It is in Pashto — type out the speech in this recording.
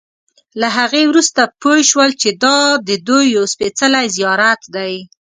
له هغې وروسته پوی شول چې دا ددوی یو سپېڅلی زیارت دی.